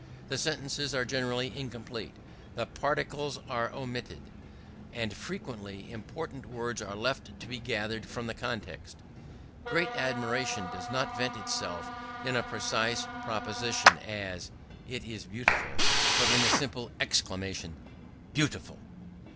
The sentences are generally incomplete; the particles are omitted; and frequently important words are left to be gathered from the context. Great admiration does not vent itself in a precise proposition, as "It is beautiful"; but in the simple exclamation "Beautiful!"